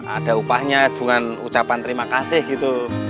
ada upahnya bukan ucapan terima kasih gitu